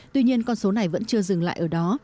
tuy nhiên con số này vẫn chưa dừng lại ở đó